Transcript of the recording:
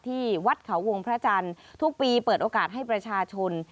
ที่วัดเขาวงพระจันทร์ทุกปีเปิดโอกาสให้ประชาชน